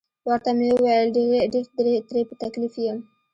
ورته مې وویل: ډیر ترې په تکلیف یم.